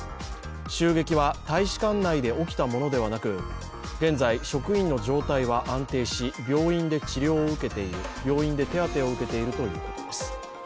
襲撃は大使館内で起きたものではなく現在職員の状態は安定し、病院で手当てを受けているということです。